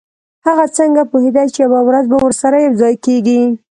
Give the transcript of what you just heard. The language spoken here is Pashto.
هغه څنګه پوهیده چې یوه ورځ به ورسره یوځای کیږي